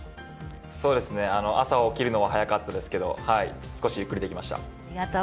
朝起きるのは早かったですけれども少しゆっくりできました。